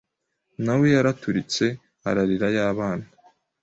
nawe yaraturitse arira ay’abana